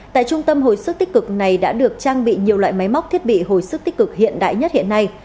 tại trung tâm hồi sức tích cực này đã được trang bị nhiều loại máy móc thiết bị hồi sức tích cực hiện đại nhất hiện nay